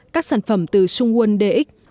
các sản phẩm từ sungwoon dx